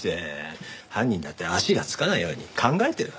犯人だって足がつかないように考えてる。